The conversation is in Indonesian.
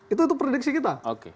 itu prediksi kita